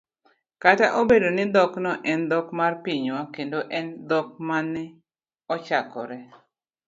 kata obedo ni dhokno en dhok mar pinywa kendo en dhok ma ne ochakore